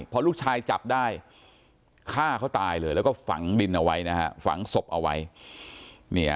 พอลูกชายจับได้ฆ่าเขาตายเลยแล้วก็ฝังดินเอาไว้นะฮะฝังศพเอาไว้